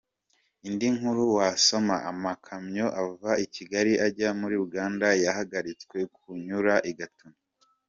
Indi nkuru wasoma: Amakamyo ava i Kigali ajya muri Uganda yahagaritswe kunyura i Gatuna.